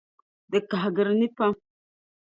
Di kahigiri nii pam.